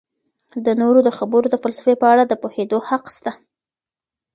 د نورو د خبرو د فلسفې په اړه د پوهیدو حق سته.